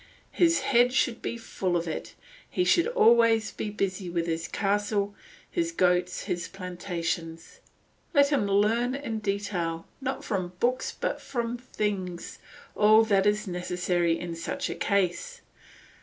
His head should be full of it, he should always be busy with his castle, his goats, his plantations. Let him learn in detail, not from books but from things, all that is necessary in such a case.